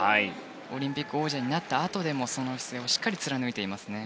オリンピック王者になったあとでも、その姿勢をしっかり貫いていますね。